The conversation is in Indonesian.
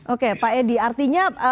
oke pak edi artinya